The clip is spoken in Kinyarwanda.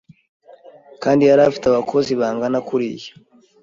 kandi yari afite abakozi bangana kuriya,